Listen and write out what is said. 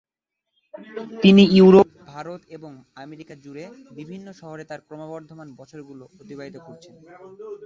তিনি ইউরোপ, ভারত এবং আমেরিকা জুড়ে বিভিন্ন শহরে তার ক্রমবর্ধমান বছরগুলো অতিবাহিত করছেন।